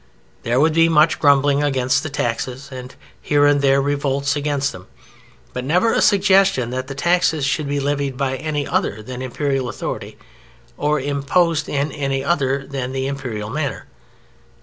There would be much grumbling against the taxes and here and there revolts against them, but never a suggestion that the taxes should be levied by any other than imperial authority, or imposed in any other than the imperial manner.